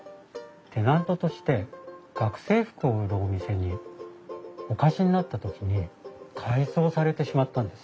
テナントとして学生服を売るお店にお貸しになった時に改装されてしまったんです。